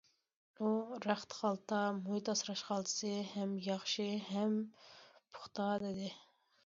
ئۇ: رەخت خالتا، مۇھىت ئاسراش خالتىسى ھەم ياخشى، ھەم پۇختا، دېدى.